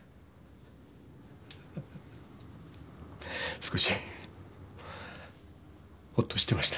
少しホッとしてました。